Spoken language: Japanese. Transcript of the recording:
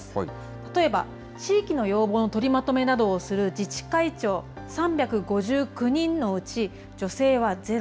例えば、地域の要望の取りまとめなどをする自治会長３５９人のうち、女性はゼロ。